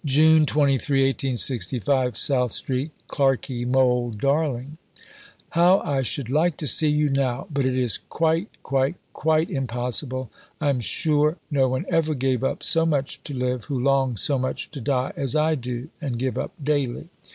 June 23 , SOUTH STREET. CLARKEY MOHL DARLING How I should like to see you now. But it is quite, quite, quite impossible. I am sure no one ever gave up so much to live, who longed so much to die, as I do and give up daily.